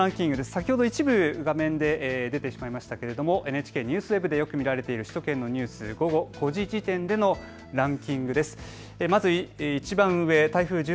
先ほど一部画面で出てしまいましたけれども、ＮＨＫＮＥＷＳＷＥＢでよく見られている首都圏のニュース午後５時時点でのランキングです。